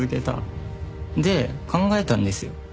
で考えたんですよ。